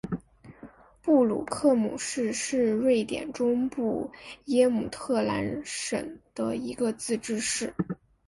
克鲁库姆市是瑞典中部耶姆特兰省的一个自治市。